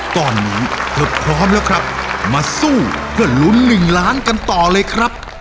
ตอนนี้เธอพร้อมแล้วครับมาสู้เพื่อลุ้นหนึ่งล้านกันต่อเลยครับ